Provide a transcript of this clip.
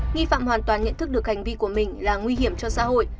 nghi phạm hoàn toàn nhận thức được hành vi của mình là nguy hiểm cho xã hội